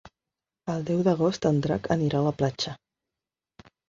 El deu d'agost en Drac irà a la platja.